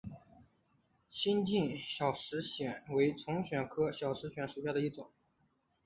新进小石藓为丛藓科小石藓属下的一个种。